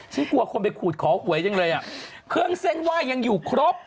กลัวคนไปขูดขอหวยจังเลยอ่ะเครื่องเส้นไหว้ยังอยู่ครบ